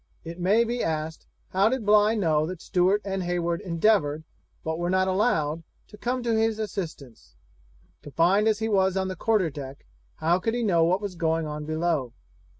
It may be asked, how did Bligh know that Stewart and Heywood endeavoured, but were not allowed, to come to his assistance? Confined as he was on the quarter deck, how could he know what was going on below?